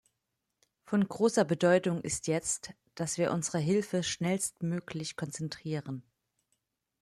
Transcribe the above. Von großer Bedeutung ist jetzt, dass wir unsere Hilfe schnellstmöglich konzentrieren.